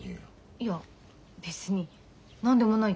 いや別に何でもないけど。